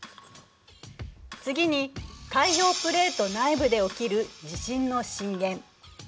次に海洋プレート内部で起きる地震の震源。